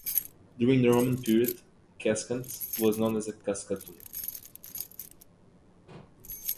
During the Roman period, Cascante was known as Cascantum.